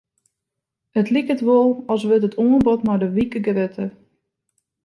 It liket wol as wurdt it oanbod mei de wike grutter.